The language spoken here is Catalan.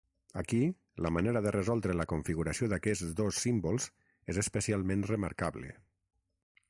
Aquí, la manera de resoldre la configuració d'aquests dos símbols és especialment remarcable.